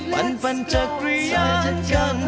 ปันปันจะกระยังกัน